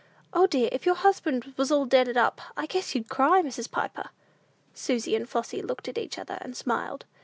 O, dear, if your husband was all deaded up, I guess you'd cry, Mrs. Piper." Susy and Flossy looked at each other, and smiled.